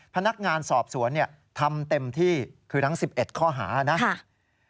พนักงานสอบสวนทำเต็มที่คือทั้ง๑๑ข้อหานะครับ